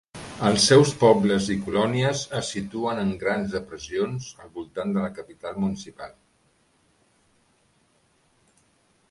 Els seus pobles i colònies es situen en grans depressions al voltant de la capital municipal.